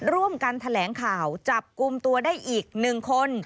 ร่วมกันแถลงข่าวจับกลุ่มตัวได้อีก๑คน